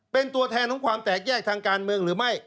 เป็นตัวแทนของความแตกแยกทางการเมืองหรือไม่